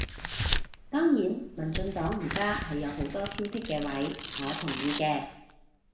當然民進黨而家係有好多挑剔嘅位，我同意嘅